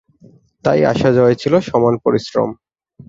তাই আসা-যাওয়ায় ছিল সমান পরিশ্রম।